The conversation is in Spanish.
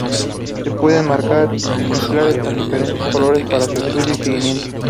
Se pueden marcar ejemplares con diferentes colores para su estudio y seguimiento.